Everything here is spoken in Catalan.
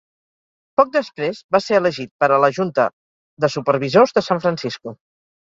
Poc després, va ser elegit per a la Junta de Supervisors de San Francisco.